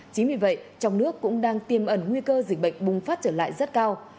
chính vì vậy trong nước cũng đang tiêm ẩn nguy cơ dịch bệnh bùng phát trở lại rất cao